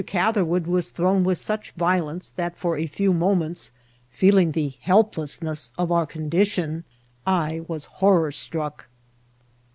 Catherwood was thrown with such violence, that for a few moments, feeling the helplessness of our condition, I was horror 44 INCIDENTS OF TRAVEL. Struck.